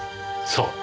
そう。